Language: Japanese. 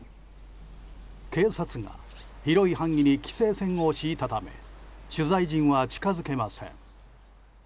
警察が広い範囲に規制線を敷いたため取材陣は近づけません。